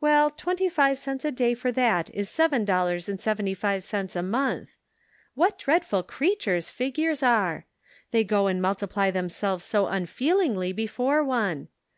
Well, twenty five cents a day for that is seven dollars and seventy five cents a month. What dreadful creatures figures are ! They go and multiply themselves so unfeelingly before one.